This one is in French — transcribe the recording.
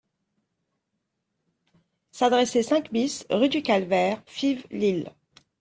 S'adresser cinq bis, rue du Calvaire, Fives-Lille.